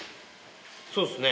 そうっすね。